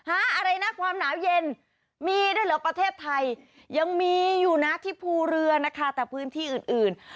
อะไรนะความหนาวเย็นมีด้วยเหรอประเทศไทยยังมีอยู่นะที่ภูเรือนะคะแต่พื้นที่อื่นอื่น